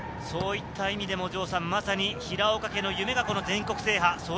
そういった意味でもまさに平岡家の夢が全国制覇。